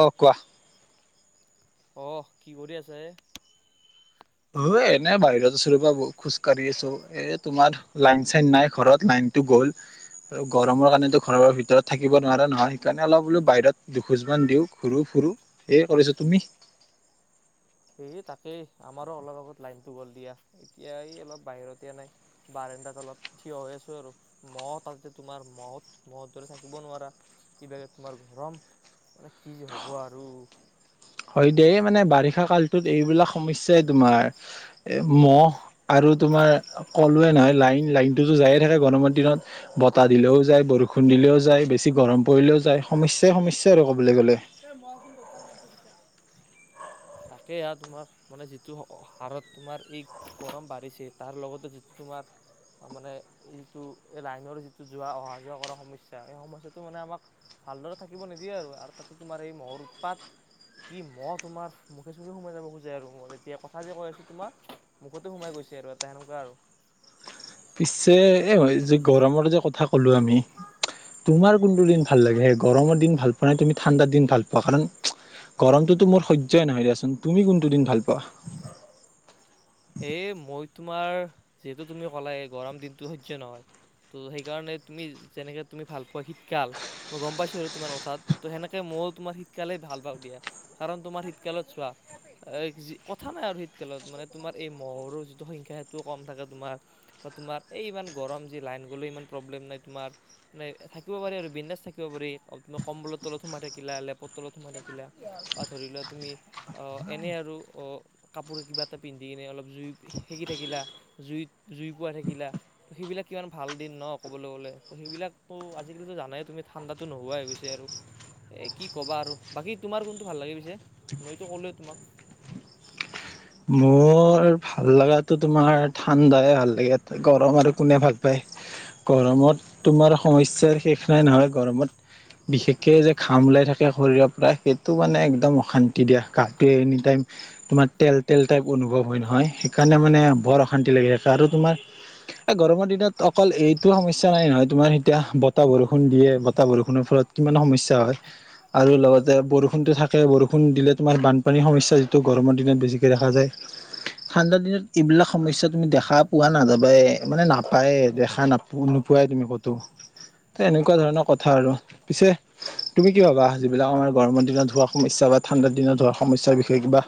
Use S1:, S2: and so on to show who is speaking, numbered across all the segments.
S1: অ' কোৱা।
S2: অহ', কি কৰি আছা এ?
S1: অ' এনে বাহিৰত আছিলোঁ। বাবু খোজ কাঢ়ি আছো, এ তোমাৰ লাইন চাইন নাই ঘৰত লাইন টো গ'ল। আৰু গৰমৰ কাৰণেতো ঘৰৰ ভিতৰত থাকিব নোৱাৰা নহয়, হেকাৰণে অলপ বোলো বাহিৰত দুখোজ মান দিও ঘূৰো। ৰো, সেয়ে কৰিছো তুমি?
S2: এই তাকেই আমাৰো অলপ আগত লাইনটো গ'ল দিয়া, এতিয়া এই অলপ বাহিৰতে নাই বাৰণ্ডাত অলপ থিয় হৈ আছো আৰু ম'হ তাতে তোমাৰ ম'হত, ম'হ দৰে থাকিব নোৱাৰা। ইবাৰে তোমাৰ গৰম মানে কি যে হ'ব আৰু।
S1: হয় দেই মানে বাৰিষা কালটোত এইবিলাক সমস্যাই তোমাৰ। এ ম'হ আৰু ৰু তোমাৰ কলোৱে নহয় লাইন, লাইনটোতো যায়ে থাকে গৰমৰ দিনত, বতাহ দিলেও যায়, বৰষুণ দিলেও যায়, বেছি গৰম পৰিলেও যায়, সমস্যাই সমস্যা আৰু ক'বলে গ'লে।
S2: এই ম'হ চোন [unintelligible]
S1: [inaudible]
S2: তাকে আৰু তোমাৰ মানে যিটো হ-হাৰত তোমাৰ এই গৰম বাঢ়িছে তাৰ লগতে যিটো তোমাৰ মানে এইটো এই লাইনৰ যিটো যোৱা, অহা যোৱা কৰা সমস্যা, এই সমস্যাটো মানে আমাক ভালদৰে থাকিব নিদিয়ে আৰু, আৰু তাতে তোমাৰ এই মহৰ উৎপাত। কি মহ তোমাৰ মুখে চোখে সোমাই যাব খোজে আৰু মোৰ এতিয়া কথা যে কৈ আছো তোমাৰ মুখতে সোমাই গৈ ছে আৰু এটা সেনেকুৱা আৰু।
S1: পিছে এই যে গৰমৰ যে কথা ক'লো আমি। তোমাৰ কোনটো দিন ভাল লাগে সে গৰমৰ দিন ভাল পোৱানে তুমি ঠাণ্ডা দিন ভাল পোৱা কাৰণ গৰমটোতো মোৰ সহ্যয়ই নহয় দিয়াচোন। তুমি কোনটো দিন ভাল পোৱা?
S2: এ মই তোমাৰ যিহেতু তুমি ক'লাৱে গৰম দিনতটো সহ্য নহয়। ত সেইকাৰণে তুমি যেনেকে তুমি ভাল পোৱা শীতকাল মই গম পাইছোঁ আৰু তোমাৰ কথাত ত' সেনেকে মো মও তোমাৰ শীতকালে ভাল পাওঁ দিয়া কাৰণ তোমাৰ শীতকালত চোৱা এই যি, কথা নাই আৰু শীতকালত মানে তোমাৰ এই মহৰো যিটো সংখ্যা সেটোও কম থাকে তোমাৰ বা তোমাৰ এই ইমান গৰম যি লাইন গ'লে ইমান প্ৰবলেম নাই তোমাৰ মানে থাকিব পাৰি আৰু বিন্দাচ থাকিব পাৰি, কম্বৰ তলত সোমাই থাকিলা, লেপ তলত সোমাই থাকিলা বা ধৰি লোৱা তুমি আ এনেই আৰু অ' কাপোৰ কিবা পিন্ধি কিনে অলপ জুই সেকি থাকিলা, জুইত, জুই পোৱা থাকিলা। ত' সেইবিলাক কিমান ভাল দিন। ন ক'বলৈ গ'লে ত' সেইবিলাকতো আজিকালিতো জানাই তুমি ঠাণ্ডাতো নোহোৱাই হৈ গৈছে আৰু। এ কি ক'বা আৰু বাকী তোমাৰ কোনটো ভাল লাগে পিছে? মইতো ক'লোৱেই তোমাক।
S1: [inaudible] মোৰ ভাল লাগাটো তোমাৰ ঠাণ্ডাই ভাল লাগে। গৰম আৰু কোনে ভাল পায়। গৰমত তোমাৰ সমস্যাৰ শেষ নাই নহয়। গৰমত বিশেষকে যে ঘাম ওলাই থাকে শৰীৰৰ পৰা, সেইটো মানে একদম অশান্তি দিয়া গাটোৱে এনি টাইম তোমাৰ তেল - তেল টাইপ অনুভৱ হয় নহয় সেইকাৰণে মানে বৰ অশান্তি লাগি থাকে আৰু তোমাৰ এ গৰমৰ দিনত অকল এইটো সমস্যা নাই নহয় তোমাৰ এতিয়া বতাহ বৰষুণ দিয়ে বতাহ বৰষুণ বৰষুণৰ ফলত কিমান সমস্যা হয় আৰু লগতে বৰষুণতো থাকে বৰষুণ দিলে তোমাৰ বানপানীৰ সমস্যা। যিটো গৰমৰ দিনত বেছিকৈ দেখা যায়। ঠাণ্ডা দিনত এইবিলাক সমস্যা তুমি দেখা পোৱা নাযাবাই মানে নাপায় দেখা নাপোৱা। পোৱাই তুমি ক'তো। ত, এনেকুৱা ধৰণৰ কথা আৰু পিছে তুমি কি ভাবা যিবিলাক আমাৰ গৰমৰ দিনত হোৱা সমস্যা বা ঠাণ্ডাৰ দিনত হৰা সমস্যাৰ বিষয়ে কিবা।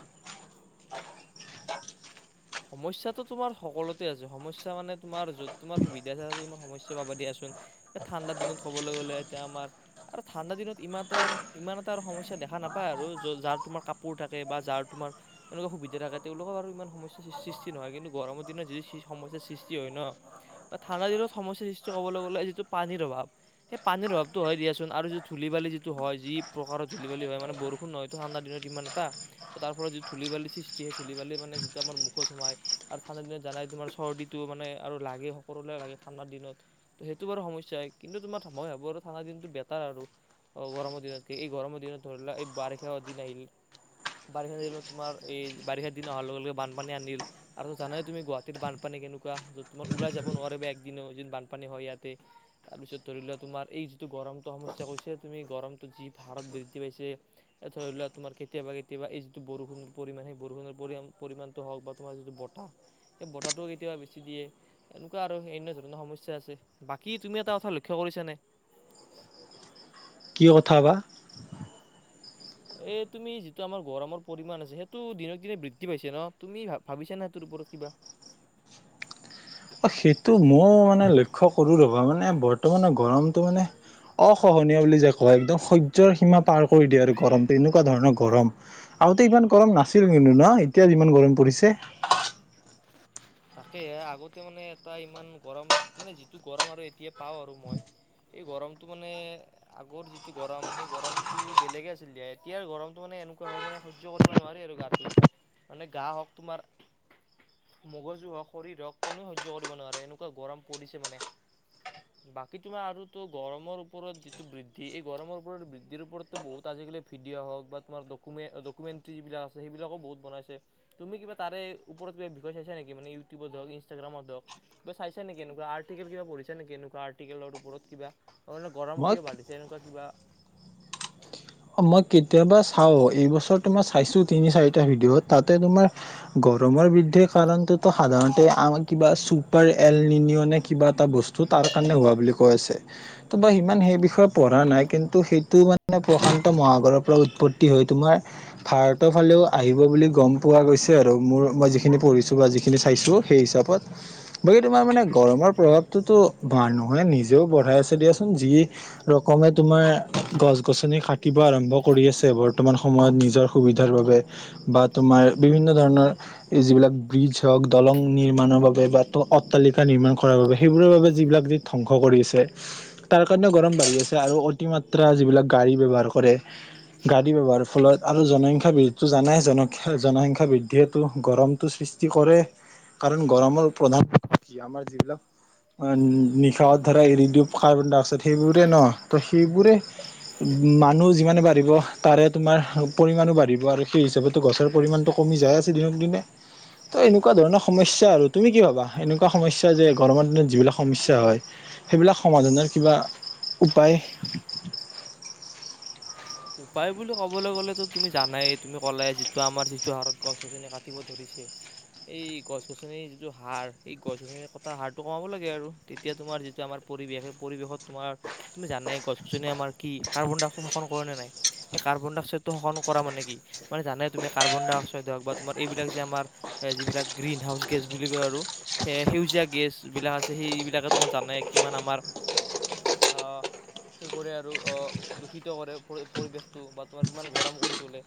S2: সমস্যাতটো তোমাৰ সকলোতে আছে সমস্যা মানে তোমাৰ যত তোমাৰ সুধা তোমাৰ সমস্যা পাবা দিয়াচোন। এ, ঠাণ্ডাৰ দিনত কবলৈ গলে এতিয়া আমাৰ আৰু ঠাণ্ডা দিনত ইমান এটা- ইমান এটা আৰু সমস্যা দেখা নাপায় আৰু য যাৰ তোমাৰ কাপোৰ থাকে বা যাৰ তোমাৰ এনেকুৱা সুবিধা থাকে তেওলোকক আৰু ইমান সমস্যা সৃষ্টি নহয় কিন্তু গৰমৰ দিনত যদি সমস্যাৰ সৃষ্টি হয় ন। বা থানা দিলত সমস্যাৰ সৃষ্টি ক'বলৈ গ'লে যিটো পানীৰ অভাৱ। সেই পানীৰ অভাৱতটো হয় দিয়াচোন আৰু যিটো ধূলি বালি যিটো হয় যি প্ৰকাৰৰ ধূল বালি হয় মে বষুণ ন হয়তটো ঠাণ্ডািনত। এ তাৰ যি ধুলী বালি সৃষ্টি হয় মানে যিটো খত সোমাই আৰু ঠাণ্ডা দিনত জানাই তোমাৰ চৰ্দিীটো মানে আৰু লাগে সকলোে লাগে ঠাণ্ডা দিনত সেইটো বাৰু সমস্যয়াই কিন্তু তোমাৰ মই ভাবো আৰু ঠাণ্ডা দিনটো বেটাৰ আৰু অ, গৰ দিনতকে এই গৰম দিনত ধ এই বাৰিষা দিন আহ বাৰিষা দ তোমাৰ এই বাৰিষা দিন হলে বান বান আনিল আৰু জানাই তুম গাহাটত বানপানী কেনেকুৱা য তোমাৰ ওলাই যাব নোৱিবা একদিন যিন বানপানী হয়। ইয়াতে তাৰপিছত ধৰি লোৱা তুমাৰ এই যিটো গৰমতটো সমস্যা কৈছে তুমি গৰমটো যি ভাৰত বৃদ্ধি পাইছে ধৰি লোৱা তোমাৰ কেতিয়াবা কেতিয়াবা এই যিটো বৰষুণৰ পৰিমাণ সেই বৰষুণৰ পৰি পৰিমাণ। হওক বা তোমাৰ যিটো বতাহ সেই বতাহটো কেতিাবা বেছি দিয়ে এনেকুৱা আৰু এনে ধৰণৰ সমস্যা আছে বাকী তুমি এটা কথা লক্ষ্য কৰি কৰিছে নে।
S1: অ', কথাবা
S2: এই তুমি যিটো আমাৰ গৰমৰ পৰিমাণ আছে সেইটো দিনক দিনে বৃদ্ধি পাইছে ন তুমি ভ ভাবিছা না তোৰ ওপৰত কিবা।
S1: অ, সেইটো মই মানে লক্ষ্য কৰো ৰবা মানে বৰ তাৰ মানে গৰমটো মানে অসহনীয়া বুলি যে কয় একদম সহ্যৰ সীমা পাৰ কৰি দিয়ে আৰু গৰম তেনেকুৱা ধৰণৰ গৰম। আগতে ইমান গৰম নাছিল কিন্তু ন এতিয়া যিমান গৰম পৰিছে।
S2: তাকে আগতে মানে এটা ইমান গৰম মানে যিটো গৰম আৰু এতিয়া পাও আৰু মই এই গৰমতটো মানে আগৰ যিটো গৰম সেই গৰমতটো বেলেগে আছিল দ এতিয়াাৰ গৰমটো মানে এনেকুৱা হয় মানে সহ্য কৰিব নোৱাৰি আৰু গাটোৱ মানে গা হওক তোমাৰ মগজু হক শৰীৰ হক কোননে সহ্য কৰিব নোৱাৰে এনেকুৱা গৰম পৰিছে মানে। বাকী তোমাৰ আৰুো গৰমৰ ওপৰত যিটো বৃদ্ধি এই গৰমৰ ওপৰত বৃদ্ধিৰ ওপৰতো বহুত আজিক আ ভিডিঅ' হওক বা তোমাৰ ডকুমে- ডকুমেণ্টৰী যিবিলাক আছে সেইবিলাক বহুতনাইছে তুমি কিবা তাৰে উপওৰতমি চাইছে নেক মানে ইউটউত হওক ইনষ্টাগ্ৰামত হক কিব চাই নেক একুৱ আৰ্টিকেলিবাঢ়া নেক একুৱৰ্টিকেল ওপৰত কিবাে গৰম
S1: মই
S2: কিয় বাঢ়িছে এনেকুৱা কিবা
S1: মই কেতিয়াবা চাও এইবছৰ তোমাৰ চাইছো তিনি চাৰিটা ভিডিঅ' তাতে তোমাৰ গৰমৰ বৃদ্ধিৰ কাৰণটোতো সাধাৰণতে আম কিবা চুপাৰ এল নিয়নে কিবা এটা বস্তু তাৰ কাৰণে হ বুলি কৈ আছে ত বা ইমান সেই বিষয়ে পঢ়া নাই কিন্তু সেইটো মানে মহাগৰৰ পৰা উৎপত্তি হৈ তোমাৰ ভাৰতৰ ফালেও আহিব বুলি গম পোৱা গৈছে আৰু মোৰ মই যিখিনি পঢ়িছো বা যিখিনি চাইছো সেই হিচাপত বাকী তোমাৰ মানে গৰমৰ প্ৰভাৱটোতো মানুহে নিজেও বঢ়াই আছে দিয়াচোন যি ৰকমে তোমাৰ গছ - গছনি কিবা আৰম্ভ কৰি আছে বৰ্তমান সময়ত নিজৰ সুবিধাৰ বাবে বা তোমাৰ বিভিন্ন ধৰণৰ এই যিবিলাক ব্ৰিজ হওক দলং নিৰ্মাণৰ বাবে বা অট্টালিকা নিৰ্মাণ কৰাৰ বাবে সেইবোৰৰ বাবে ধংস কৰিছে তাৰ কাৰণেও গৰম বাঢ়ি আছে আৰু অতিমাত্ৰা যিবিলাক গাড়ীহাৰ কৰে গাড়ী ব্যৱহাৰৰ ফলত আৰু জনসংখ্যা বৃদ্ধিটো জানাই জনা জনসংখ্যা বৃদ্ধিৰটো গৰমটো সৃষ্টি কৰে কাৰণ গৰমৰ প্ৰধান কি আমাৰ যিবিলাক অ', নিশাহত ধৰা এৰি দিও কাৰ্বন- ডাই অক্সাইড সেইবোৰে ন ত' সেইবোৰে মানুহ যিমানে বাঢ়িব তাৰে তোমাৰ পৰিমাণো বাঢ়িব আৰু সেই হিচাপতো গছৰ পৰিমাণটো কমি যায় আছে দিনক দিনে ত' এনেকুৱা ধৰণৰ সমস্যা আৰু তুমি কি ভাবা এনেকুৱা সমস্যা যে গৰমৰ দিনত যিবিলাক সমস্যা হয় সেইবিলাক সমাধানৰ কিবা উপায়
S2: উপায় বুলি ক'বলৈ গ'লে তুমি জানাই তুমি কলাই যিটো আমাৰ যিটো হাৰত গছ-গছনি কাটিব ধৰি ধৰিছে এই গছ-গছনিৰ যিটো হাৰ সেই গছ গছনিৰ কটাৰ হাৰটো কমাব লাগে আৰু তেতিয়া তোমাৰ যিটো আমাৰ পৰিৱেশ সেই পৰিৱেশত তোমাৰ তুমি জানে গছ- গছনিয়ে আমাৰ কি কাৰ্বন-ডাই-অক্সাইড
S1: [inaudible]
S2: সেই কাৰ্বন-ডাই-অক্সাইডটো শোষন কৰা মানে কি মানে জানে তুমি কাৰ্বন-ডাই-অক্সাইড হওক বা তোমাৰ এইবিলাক যে আমাৰ এহ যিবিলাক গ্ৰীণ হাউচ গেছ বুলি কয় আৰু সে সেউজীয়া গেছ বিলাক আছে সেই বিলাকে তোমাৰ জানাই কি কিমান আমাৰ অ', সেইবোৰে অ', দূষিত কৰে পৰিৱেশটো বা তোমাৰ কিমান গৰম কৰি তোলে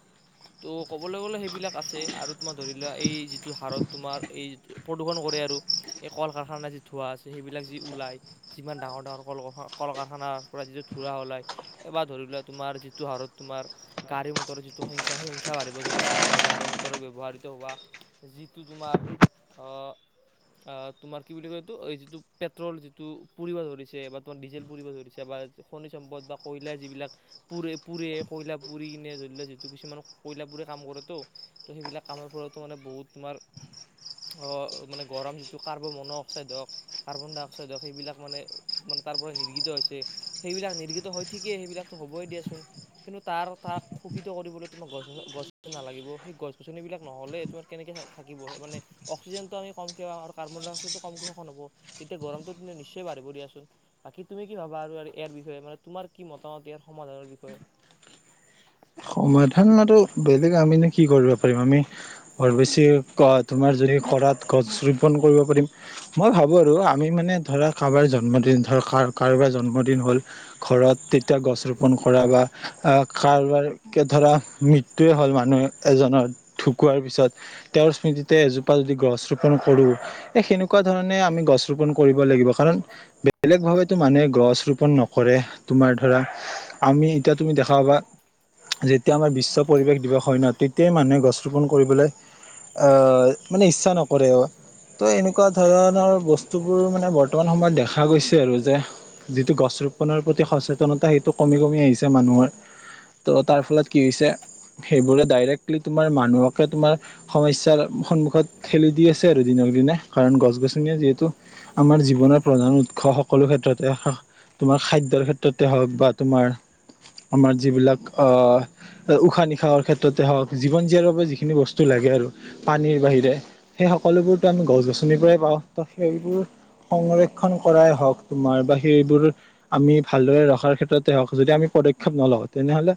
S2: ত' ক'বলৈ গ'লে সেইবিলাক আছে আৰু তোমাৰ ধৰি লোৱা এই যিটো হাৰত তোমাৰ এই প্ৰদূষণ কৰে আৰু এই কল-কাৰখানা যি ধোঁৱা আছে সেইবিলাক যি ওলাই যিমান ডাঙৰ ডাঙৰ কল কল-কাৰখানা পৰা যিটো ধোৱা ওলাই এবাৰ ধৰি লোৱা তোমাৰ যিটো হাৰত তোমাৰ গাড়ী মটৰৰ যিটো সংখ্যা সেই সংখ্যা বাঢ়িব ধৰিছে বা গাড়ী মটৰৰ ব্যৱহাৰ [unintelligible] যিটো তোমাৰ অ', অ', তোমাৰ কি বুলি কয় এইটো যিটো পেট্ৰল যিটো পুৰিব ধৰিছে বা তোমাৰ ডিজেল পুৰিব ধৰিছে বা খনিজ সম্পদ বা কয়লাই যিবিলাক পুৰে পুৰে কয়লা পুৰি কিনে ধৰি লোৱা যিটো কিছুমান কয়লা পোৰে কাম কৰে ত সেইবিলাক কামৰ সিহঁতো মানে বহুত তোমাৰ অ' মানে গৰম যিটো কাৰ্বন মন অক্সাইড হওক কাৰ্বন ডাই অক্সাইড হওক সেইবিলাক মানে মানে তাৰ পৰা নিৰ্গিত হৈছে সেইবিলাক নিৰ্গিত হয় ঠিকেই সেইবিলাকতো হবই দিয়াচোন। কিন্তু তাৰ তাক থাকিব মানে অক্সিজেনটো আমি কমকে পাম আৰু কাৰ্বন ডাই অক্সাইডৰ টো কমক শোষণ হ'ব তেতিয়া গৰমটো নিশ্চয় টোৱে বাঢ়িব দিয়াচোন বাকী তুমি কি ভাবা আৰু ইয়াৰ বিষয়ে মানে তোমাৰ কি মতামত ইয়াৰ। সমাধাৰ বিষয়ে।
S1: সমাধানটো বেলেগ আমিনো কি কৰিব পাৰিম আমি, ঘৰ বেছি তোমাৰ যদি খৰাত গছ ৰোপন কৰিব পাৰিম মই ভাবো আৰু আমি মানে ধৰা কাৰোবাৰ জন্মদিন ধৰ কাৰোবাৰ জন্মদিন হ'ল, ঘৰত তেতিয়া গছ ৰোপন কৰা বা কাৰোবাৰ এতিয়া ধৰা মৃত্যুয়ে হ'ল মানুহ এজনৰ, ঢুকোৱাৰ পিছত তেওঁৰ স্মৃতিতে এজোপা যদি গছ ৰোপণ কৰোঁ সেইকুৱা ধৰণে আমি গছ ৰোপণ কৰিব লাগিব কাৰণ বেলেগ ধৰণ মানুহে গছ ৰোপন নকৰে তোমাৰ ধৰা আমি এতিয়া তুমি দেখা পাবা যেতিয়া আমাৰ বিশ্ব পৰিৱেশ দিৱস হয় ন' যেতিয়াই মানুহে গছ ৰোপন কৰিবলৈ অ', মানে ইচ্ছা নকৰে, অ, ত' এনেকুৱা ধৰণৰ বস্তুবোৰ মানে বৰ্তমান সময়ত দেখা গৈছে আৰু যে যিটো গছ ৰোপনৰৰ প্ৰতি সচেতনতা সেইটো কমি কমি আহিছে মানুহৰ। ত' তাৰ ফলত কি হৈছে সেইবোৰে ডাইৰেক্টলি তোমাৰ মানুহকে তোমাৰ, সম্যসাৰ সন্মুখত ঠেলি দি আছে আৰু দিন নে কাৰণ গছ গছনিিয় যিহেতু আমাৰ জীৱনৰ প্ৰধান উৎস সকলো ক্ষেত্ৰতে তোমাৰ খাদ্যযৰ ক্ষেত্ৰতে হওক বা তোমাৰ আমাৰ যিবিলাক আহ উশাহ নিশাহৰ ক্ষেত্ৰতে হওক জীৱন জীয়াৰ বাবে যিখিনি বস্তু লাগে আৰু পানীৰ বাহিৰে সেই সকলোবোৰতো আমি গছ গছনিৰ পৰাই পাওঁ ত সেইবোৰ সংৰক্ষণ কৰাই হওঁক তোমাৰ বা সেইবোৰ আমি ভালদৰে ৰখাৰ ক্ষেত্ৰতে হওঁক যদি আমি পদক্ষেপ নলওঁ তেনেহ'লে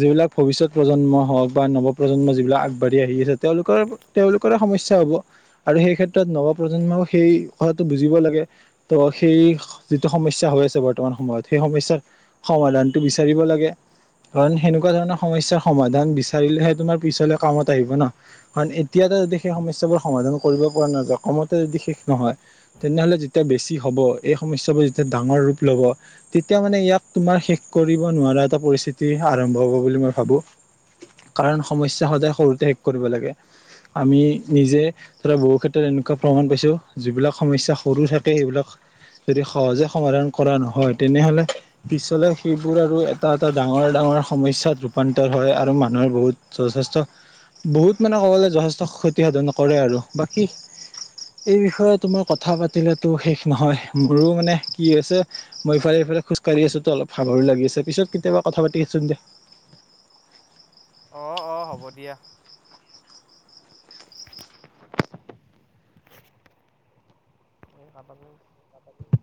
S1: যিবিলাক ভৱিষ্যত প্ৰজম হওক বা নৱ প্ৰ্ৰজন্ম যিবিলাক আগবাঢ়ি আহি আছে তেওঁলোকৰ তেওঁলোকৰে সমস্যা হব আৰু সেই ক্ষেত্ৰত নৱপ্ৰজন্মও সেই কথাটো বুজিব লাগে ত'সেই যিটো সমস্যা হৈ আছে বৰ্তমান সময়ত সেই সমস্যাৰ সমাধানটো বিচাৰিব লাগে। কাৰণ সেনেকুৱা ধৰণৰ সমস্যাৰ সমাধান বিচাৰিলেহে তোমাৰ পিছলে কামত আহিব ন কাৰণ এতিয়া সেই সমস্যাবোৰ সমাধান কৰিব পৰা নাযায় কমতে যদি শেষ নহয় তেনেহলে যেতিয়া বেছি হব এই সমস্যাবোৰ যেতিয়া ডাঙৰ ৰূপ লব তেতিয়া মানে ইয়াক তোমাৰ শেষ কৰিব নোৱাৰে। এটা পৰিস্থিতি আৰম্ভ হব বুলি মই ভাবো। কাৰণ সমস্যা সদায় সৰুতে শেষ কৰিব লাগে। আমি নিজে ধৰা বহু ক্ষেত্ৰত এনেকুৱা প্ৰমাণ পাইছো, যিবিলাক সমস্যা সৰু থাকে সেইবিলাক যদি সহজে সমাধান কৰা নহয় তেনেহলে পিছলে সেইবোৰ আৰু এটা এটা ডাঙৰ-ডাঙৰ সমস্যাত ৰূপান্তৰ হয় আৰু মানুহৰ বহুত যথেষ্ট বহুত মানে ক'বলে যথেষ্ট ক্ষতি সাধন কৰে আৰু বাকী এই বিষয়ে তো মই কথা পাতিলেতো শেষ নহয় মোৰ মানে কি হৈছে মই ইফালে খোজকাঢ়ি আছো তো অলপ সাহৰি লাগি আছে পিছত কেতিয়াবা কথা পাতি আচোন দে।
S2: অ', অ', হ'ব দিয়া। [inaudible]